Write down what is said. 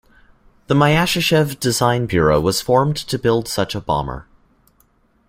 The Myasishchev design bureau was formed to build such a bomber.